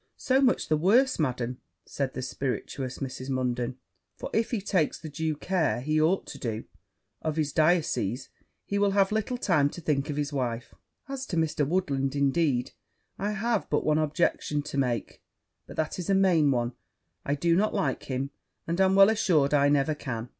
'So much the worse, Madam,' said the spiritous Mrs. Munden; 'for if he takes the due care he ought to do of his diocese, he will have little time to think of his wife: as to Mr. Woodland, indeed, I have but one objection to make, but that is a main one; I do not like him, and am well assured I never can.